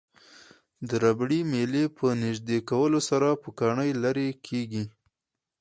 د ربړي میلې په نژدې کولو سره پوکڼۍ لرې کیږي.